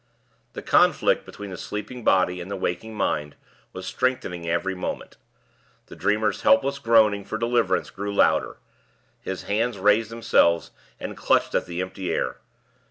The conflict between the sleeping body and the waking mind was strengthening every moment. The dreamer's helpless groaning for deliverance grew louder; his hands raised themselves, and clutched at the empty air.